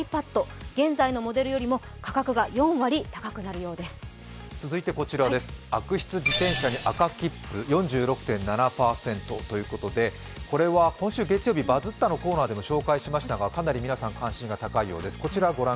現在のモデルよりも悪質自転車に赤切符、４６．７％ということでこれは今週月曜日、「バズった」のコーナーでも紹介しましたがかなり皆さん関心が高いようです。